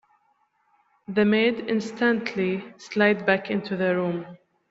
The maid instantly slid back into the room.